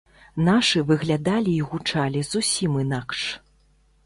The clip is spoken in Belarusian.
Нашы выглядалі і гучалі зусім інакш.